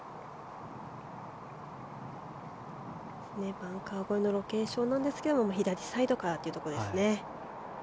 バンカー越えのロケーションなんですが左サイドからというところですね。